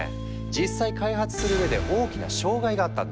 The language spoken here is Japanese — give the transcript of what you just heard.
実際開発するうえで大きな障害があったんだ。